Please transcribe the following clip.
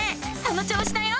その調子だよ！